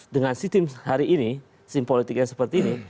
dengan sistem hari ini sistem politik yang seperti ini